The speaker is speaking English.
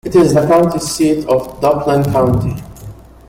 It is the county seat of Duplin County.